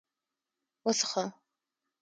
_وڅښه!